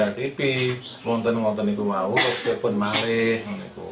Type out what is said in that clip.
kalau di depan kalau di jembau kalau di depan malah